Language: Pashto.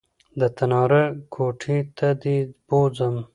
د تناره کوټې ته دې بوځم